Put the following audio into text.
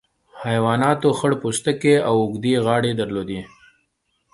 حیواناتو خړ پوستکي او اوږدې غاړې درلودې.